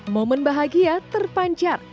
momen bahagia terpancar